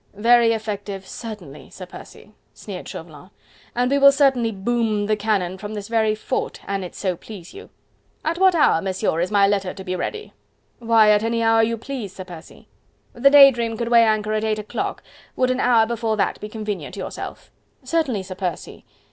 "Very effective certainly, Sir Percy," sneered Chauvelin, "and we will certainly boom the cannon from this very fort, an it so please you...." "At what hour, Monsieur, is my letter to be ready?" "Why! at any hour you please, Sir Percy." "The 'Day Dream' could weigh anchor at eight o'clock... would an hour before that be convenient to yourself?" "Certainly, Sir Percy...